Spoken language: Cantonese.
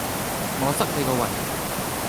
我塞你個胃!